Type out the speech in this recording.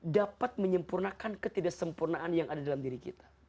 dapat menyempurnakan ketidaksempurnaan yang ada dalam diri kita